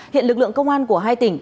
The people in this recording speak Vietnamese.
hiện lực lượng công an của hai tỉnh